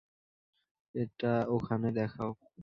এটা ওখানে দেখাও।